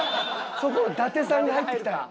そこを伊達さんが入ってきた。